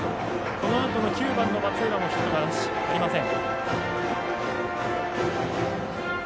このあとの９番の松浦もヒットがありません。